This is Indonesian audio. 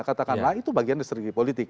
katakanlah itu bagian dari strategi politik